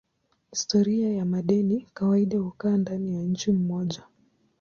Historia ya madeni kawaida hukaa ndani ya nchi moja.